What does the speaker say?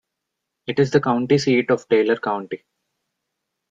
It is the county seat of Taylor County.